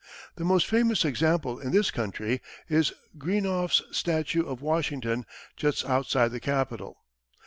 The most famous example in this country is Greenough's statue of Washington, just outside the Capitol.